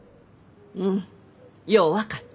うんよう分かった。